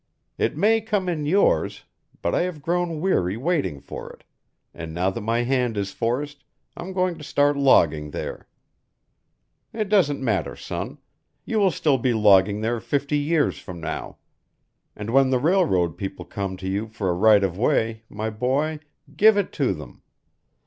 It may come in yours, but I have grown weary waiting for it, and now that my hand is forced, I'm going to start logging there. It doesn't matter, son. You will still be logging there fifty years from now. And when the railroad people come to you for a right of way, my boy, give it to them.